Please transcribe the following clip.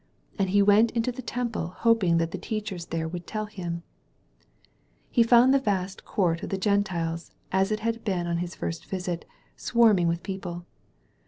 And he went into the Tern pie hoping that the teachers there would tell him* He found the vast Court of the Gentiles, as it had been on his first visit, swarming with people.